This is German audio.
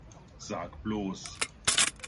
Sag bloß!